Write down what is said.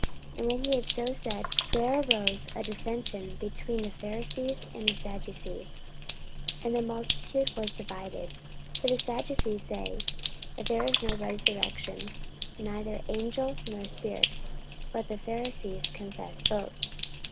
44:023:007 And when he had so said, there arose a dissension between the Pharisees and the Sadducees: and the multitude was divided. 44:023:008 For the Sadducees say that there is no resurrection, neither angel, nor spirit: but the Pharisees confess both.